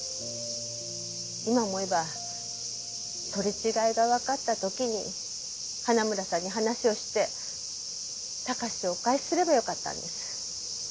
今思えば取り違えがわかった時に花村さんに話をして貴史をお返しすればよかったんです。